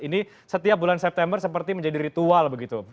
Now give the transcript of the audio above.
ini setiap bulan september seperti menjadi ritual begitu